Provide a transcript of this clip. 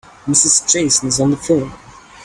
Mrs. Jason is on the phone.